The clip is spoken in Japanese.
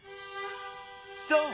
そう！